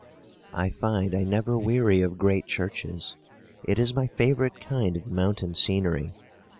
I find I never weary of great churches. It is my favourite kind of mountain scenery.